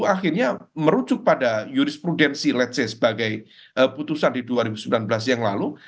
akhirnya merujuk pada jurisprudensi ⁇ lets ⁇ say sebagai putusan di dua ribu sembilan belas yang lalu